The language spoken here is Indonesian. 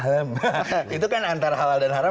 itu kan antara halal dan haram